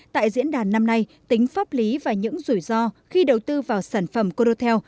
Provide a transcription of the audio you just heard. tại diễn đàn năm nay tính pháp lý và những rủi ro khi đầu tư vào sản phẩm condotel